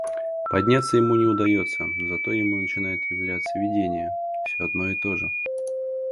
Подняться ему не удаётся, но зато ему начинает являться видение, всё одно и тоже.